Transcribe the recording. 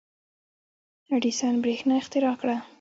• اډېسن برېښنا اختراع کړه.